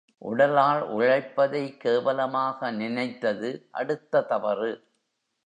உடலால் உழைப்பதை கேவலமாக நினைத்தது அடுத்த தவறு.